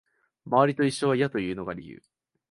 周りと一緒は嫌というのが理由